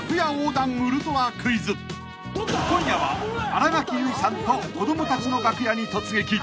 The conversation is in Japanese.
［今夜は新垣結衣さんと子供たちの楽屋に突撃］